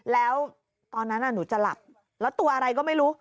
แล้วตอนนั้นหนูจะหลับแล้วตัวอะไรก็ไม่รู้